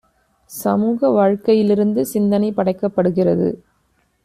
சமூக வாழ்க்கையிலிருந்து சிந்தனை படைக்கப்படுகிறது.